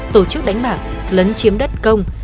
tổ chức đánh bảng lấn chiếm đất công